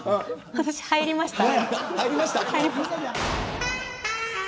私、入りました。